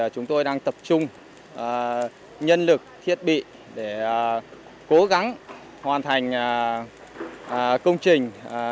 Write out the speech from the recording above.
chúng tôi đang tập trung nhân lực thiết bị để cố gắng hoàn thành công trình